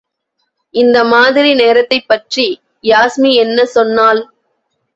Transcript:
இந்த மாதிரி நேரத்தைப்பற்றி யாஸ்மி என்ன சொன்னாள்.